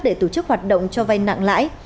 để tổ chức hoạt động cho vay nặng lãi